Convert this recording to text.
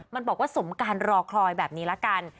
มันบอกว่าสมการรอคอยแบบนี้ละกัน